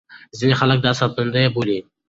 ځينې خلک دا ساتندوی بولي.